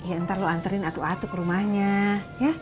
ya ntar lu anterin atuk atuk ke rumahnya ya